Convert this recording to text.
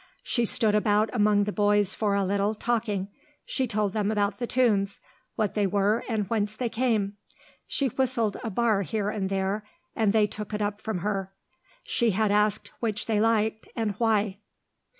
She stood about among the boys for a little, talking. She told them about the tunes, what they were and whence they came; she whistled a bar here and there, and they took it up from her; she had asked which they had liked, and why.